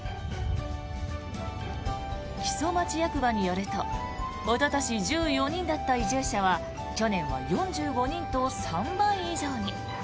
木曽町役場によるとおととし１４人だった移住者は去年は４５人と３倍以上に。